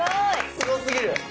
すごすぎる！